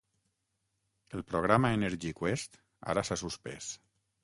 El programa Energy Quest ara s'ha suspès.